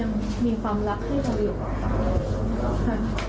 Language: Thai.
อย่างนี้ค่ะเป็นช่วงดีที่เขายังมีความรักที่เราอยู่ค่ะ